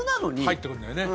入ってるんだよね。